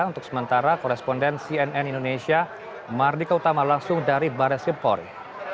untuk sementara koresponden cnn indonesia mardika utama langsung dari baris krimpori